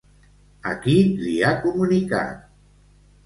A qui li ha comunicat?